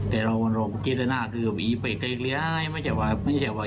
แต่เราเจรนาคืออี๋ไปเกรกเลี้ยงไม่ใช่ว่าอี๋ไปทำไว้เลย